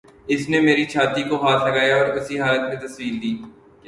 اس نے میری چھاتی کو ہاتھ لگایا اور اسی حالت میں تصویر لی